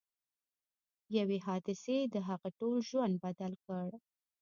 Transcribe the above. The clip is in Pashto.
یوې حادثې د هغه ټول ژوند بدل کړ